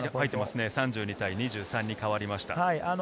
３２対２３に変わりました。